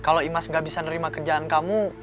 kalau imas gak bisa nerima kerjaan kamu